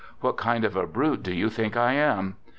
What kind of a brute do you think I am